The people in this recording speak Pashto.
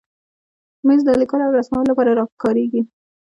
مېز د لیکلو او رسم لپاره کارېږي.